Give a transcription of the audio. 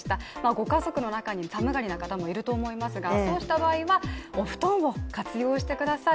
ご家族の中に寒がりの方もいると思いますがそうした場合はお布団を活用してください。